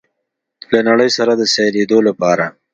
له نړۍ سره د سیالېدو لپاره